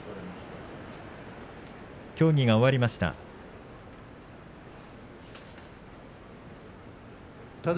協議が終わりました。